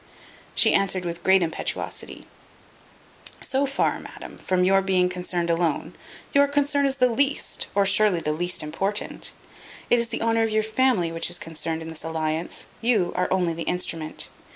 She answered with great impetuosity, "So far, madam, from your being concerned alone, your concern is the least, or surely the least important. It is the honour of your family which is concerned in this alliance; you are only the instrument.